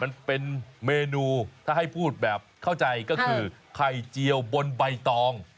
มันเป็นเมนูถ้าให้พูดแบบเข้าใจก็คือไข่เจียวบนใบตอง